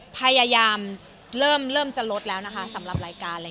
พยายามจะลดแล้วนะคะสำหรับรายการ